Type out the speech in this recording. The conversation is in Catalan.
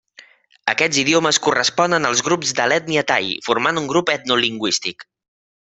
Aquests idiomes corresponen als grups de l'ètnia tai, formant un grup etnolingüístic.